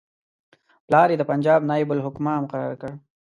پلار یې د پنجاب نایب الحکومه مقرر کړ.